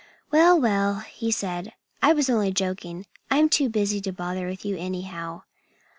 "Well, well!" he said. "I was only joking. I'm too busy to bother with you, anyhow.